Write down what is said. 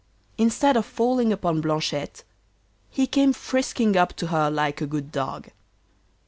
Instead of falling upon Blanchette he came frisking up to her like a good dog.